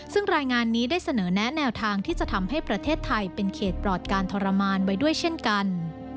ซึ่งรายงานนี้ได้เสนอแนะแนวทางที่จะทำให้ประเทศไทยเป็นเขตปลอดการทรมานไว้ด้วยเช่นกัน